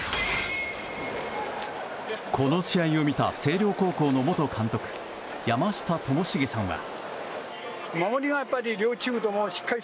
この試合を見た、星稜高校の元監督・山下智茂さんは。